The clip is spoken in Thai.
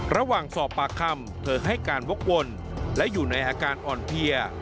ระหว่างสอบปากคำเธอให้การวกวนและอยู่ในอาการอ่อนเพลีย